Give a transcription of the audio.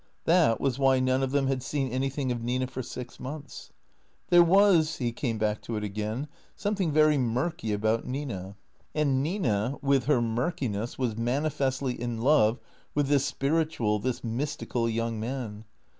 That was why none of them had seen anything of Nina for six months. There was (he came back to it again) something very murky about Nina. And Nina, with her murki ness, was manifestly in love with this spiritual, this mystical young man.